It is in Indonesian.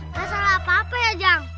masalah apa apa ya jang